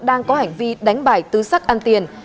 đi đánh bài tứ sắc ăn tiền